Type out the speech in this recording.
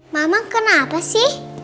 mama kenapa sih